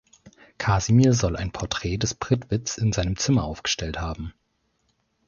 Kasimir soll ein Porträt des Prittwitz in seinem Zimmer aufgestellt haben.